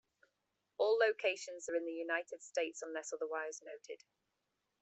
All locations are in the United States unless otherwise noted.